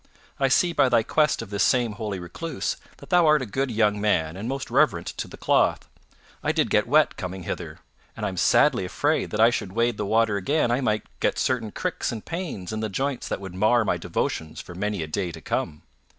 I see by thy quest of this same holy recluse that thou art a good young man and most reverent to the cloth. I did get wet coming hither, and am sadly afraid that should I wade the water again I might get certain cricks and pains i' the joints that would mar my devotions for many a day to come.